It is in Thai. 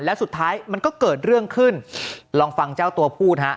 แล้วสุดท้ายมันก็เกิดเรื่องขึ้นลองฟังเจ้าตัวพูดฮะ